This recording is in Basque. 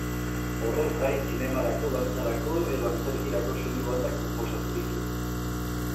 Horrez gain zinemarako, dantzarako edo antzerkirako soinu bandak konposatu ditu.